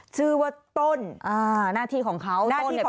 ชื่อว่าต้นหน้าที่ของเขา